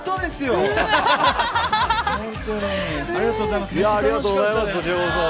ありがとうございます。